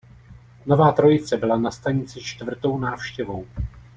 Nová trojice byla na stanici čtvrtou návštěvou.